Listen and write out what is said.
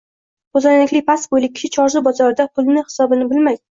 ko’zoynakli, past bo’yli kishi Chorsu bozorida pulning xisobini bilmay